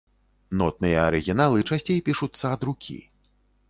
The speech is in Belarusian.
Нотныя арыгіналы часцей пішуцца ад рукі.